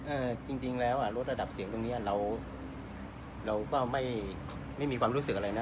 จริงจริงแล้วอ่ะรถระดับเสียงตรงเนี้ยเราเราก็ไม่ไม่มีความรู้สึกอะไรนะ